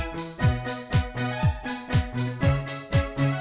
bang bapak sudah sehat